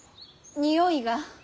においが。